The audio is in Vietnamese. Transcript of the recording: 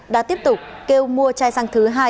đạt tiếp tục kêu mua chai xăng thứ hai